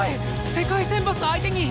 世界選抜相手に！